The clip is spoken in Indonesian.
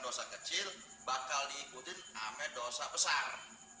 dosa kecil bakal diikutin sama dosa besar